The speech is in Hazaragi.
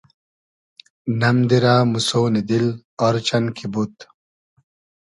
نئم دیرۂ موسۉنی دیل آر چئن کی بود